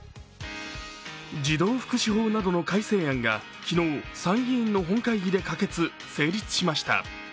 児童福祉法などの改正案が昨日、参議院の本会議で可決・成立しました。